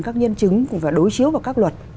các nhân chứng và đối chiếu vào các luật